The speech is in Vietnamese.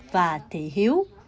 và thị hiếu